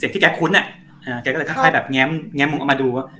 ที่แกคุ้นอ่ะอ่าแกก็เลยค่อยค่อยแบบแง้มแง้มมุมเอามาดูอ่ะ